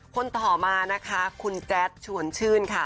คนต่อมานะคะคุณแจ๊ดชวนชื่นค่ะ